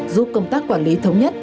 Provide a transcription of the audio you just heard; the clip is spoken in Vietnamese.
giúp công tác quản lý thống nhất